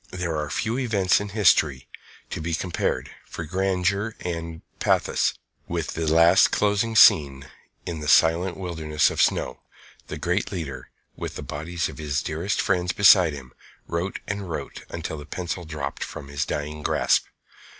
There are few events in history to be compared, for grandeur and pathos, with the last closing scene in that silent wilderness of snow. The great leader, with the bodies of his dearest friends beside him, wrote and wrote until the pencil dropped from his dying grasp.